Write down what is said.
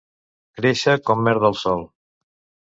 Créixer com merda al sol.